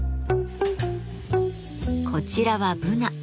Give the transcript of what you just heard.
こちらはブナ。